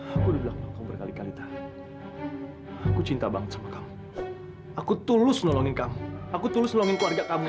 aku udah bilang kamu berkali kali tanya aku cinta banget sama kamu aku tulus nolongin kamu aku tulus nolongin keluarga kamu